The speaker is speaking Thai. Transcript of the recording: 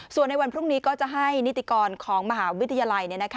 ส่วนในวันพรุ่งนี้ก็จะให้นิติกรของมหาวิทยาลัย